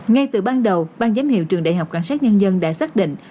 ngay từ ban đầu ban giám hiệu trường đại học cảnh sát nhân dân đã xác định